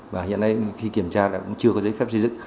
và hiện nay khi kiểm tra là cũng chưa có giấy phép xây dựng